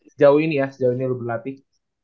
sejauh ini ya sejauh ini lo berlatih